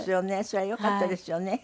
それはよかったですよね。